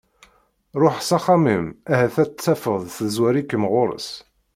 Ruḥ s axxam-im ahat ad tt-tafeḍ tezwar-ikem ɣer-s.